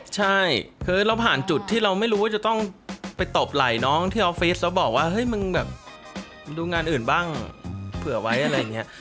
ใช่คือเราผ่านจุดที่เราไม่รู้ว่าจะต้องไปตบไหล่น้องที่ออฟฟิศแล้วบอกว่าเฮ้ยมึงแบบดูงานอื่นบ้างเผื่อไว้อะไรอย่างนี้